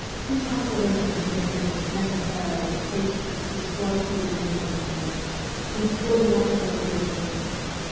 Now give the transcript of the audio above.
Incarceration in a prison necessarily, fatally, destroys the energy of a man, and still more kills his will.